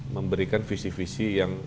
memberikan visi visi yang